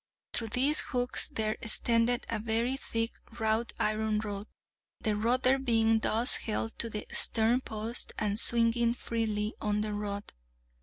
Through these hooks there extended a very thick wrought iron rod, the rudder being thus held to the stern post and swinging freely on the rod.